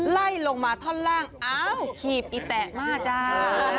ไล่ลงมาท่อนล่างอ้าวขีบอิแตะมาจ้า